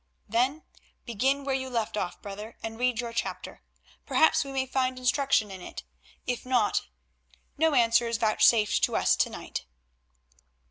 "Then begin where you left off, brother, and read your chapter. Perhaps we may find instruction in it; if not, no answer is vouchsafed to us to night."